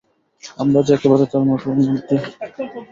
আমরা যে একেবারে তার মুঠোর মধ্যে।